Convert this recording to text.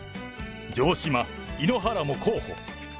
城島、井ノ原も候補。